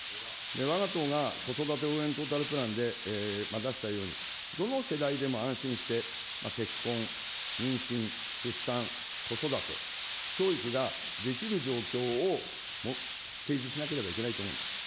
わが党が子育て応援トータルプランで出したように、どの世代でも安心して、結婚、妊娠、出産、子育て、教育ができる状況を提示しなければいけないと思うんです。